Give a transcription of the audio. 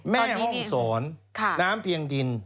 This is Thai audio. แม่ห้องศรน้ำเพียงดิน